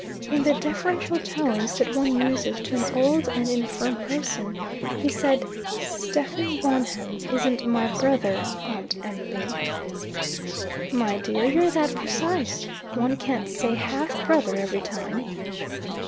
In the differential tones that one uses to an old and infirm person he said "Stephen Wonham isn't my brother, Aunt Emily." "My dear, you're that precise. One can't say 'half brother' every time."